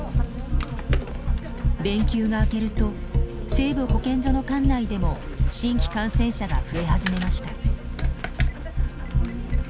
連休が明けると西部保健所の管内でも新規感染者が増え始めました。